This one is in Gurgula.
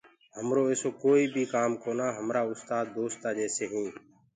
همرو ايسو ڪوئيٚ بيٚ ڪآم ڪونآ همرآ استآد دوستآ جيسي هينٚ